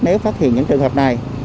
nếu phát hiện những trường hợp này